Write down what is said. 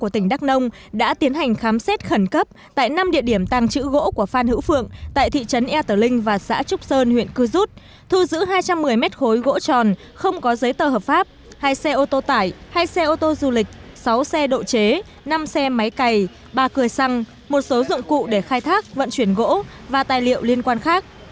theo lãnh đạo ủy ban nhân dân các xe chở gỗ của phan hữu phượng tại thị trấn e tờ linh và xã trúc sơn huyện cư rút thu giữ hai trăm một mươi mét khối gỗ tròn không có giấy tờ hợp pháp hai xe ô tô tải hai xe ô tô du lịch sáu xe độ chế năm xe máy cày ba cười xăng một số dụng cụ để khai thác vận chuyển gỗ và tài liệu liên quan khác